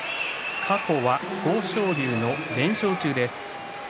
過去は豊昇龍の連勝中です。